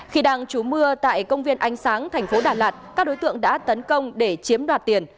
khi đang trú mưa tại công viên ánh sáng thành phố đà lạt các đối tượng đã tấn công để chiếm đoạt tiền